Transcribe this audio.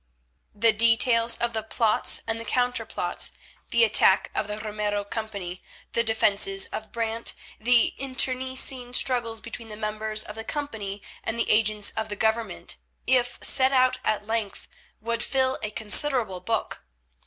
The details of the plots and counter plots, the attack of the Ramiro company, the defences of Brant, the internecine struggles between the members of the company and the agents of the Government, if set out at length, would fill a considerable book.